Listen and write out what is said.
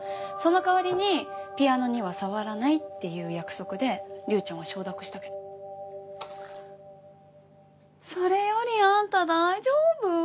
その代わりにピアノには触らないっていう約束で龍ちゃんは承諾したけどそれよりあんた大丈夫？